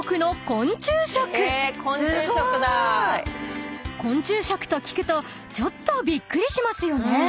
［昆虫食と聞くとちょっとびっくりしますよね］